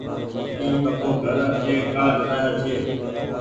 اي پڪوگهر آٺي ڪآ ٺرآيو ڇي۔